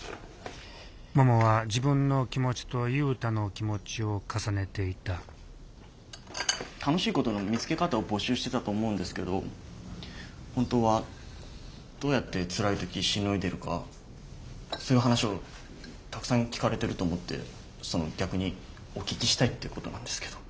ももは自分の気持ちと雄太の気持ちを重ねていた楽しいことの見つけ方を募集してたと思うんですけど本当はどうやってつらい時しのいでるかそういう話をたくさん聞かれてると思ってその逆にお聞きしたいっていうことなんですけど。